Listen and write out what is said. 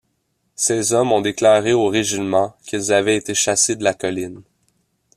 Ces hommes ont déclaré au régiment qu'ils avaient été chassés de la colline.